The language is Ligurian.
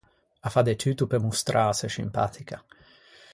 A fa de tutto pe mostrâse scimpatica.